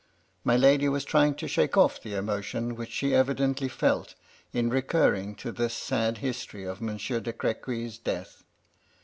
My lady was trying to shake oflF the emotion which she evidently felt in recurring to this sad history of Monsieur de Crequy's death.